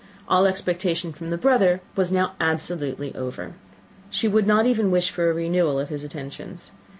All expectation from the brother was now absolutely over. She would not even wish for any renewal of his attentions.